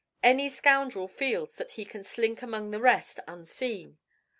Any scoundrel feels that he can slink among the rest unseen.